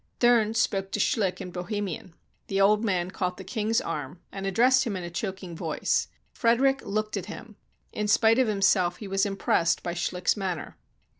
Thurn spoke to Schlick in Bohemian. The old man caught the king's arm, and addressed him in a choking 294 THE DEVASTATION OF ST. VITUS'S CHURCH voice. Frederick looked at him. In spite of himself he was impressed by Schlick's manner.